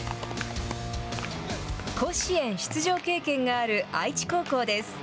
甲子園出場経験がある愛知高校です。